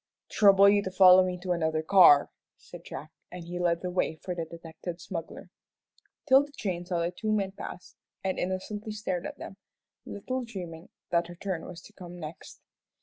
"Trouble you to follow me to another car," said Jack, and he led the way for the detected smuggler. 'Tilda Jane saw the two men pass, and innocently stared at them, little dreaming that her turn was to come next.